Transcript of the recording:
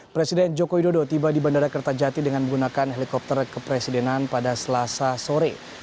presiden joko widodo tiba di bandara kertajati dengan menggunakan helikopter kepresidenan pada selasa sore